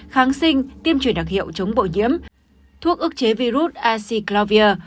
kháng sinh tiêm truyền đặc hiệu chống bộ nhiễm thuốc ước chế virus asyclavia